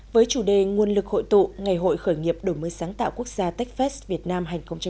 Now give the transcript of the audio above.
với chủ đề nguồn lực hội tụ ngày hội khởi nghiệp đổi mới sáng tạo quốc gia techfest việt nam hai nghìn hai mươi